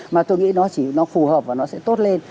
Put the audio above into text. mà tôi nghĩ nó chỉ nó phù hợp và nó sẽ tốt lên